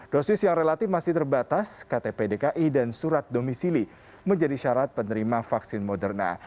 dosis yang relatif masih terbatas ktp dki dan surat domisili menjadi syarat penerima vaksin moderna